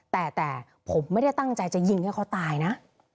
แต่ผมไม่ได้ตั้งใจจะยิงให้เขาตายนะ